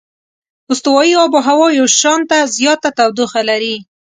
استوایي آب هوا یو شانته زیاته تودوخه لري.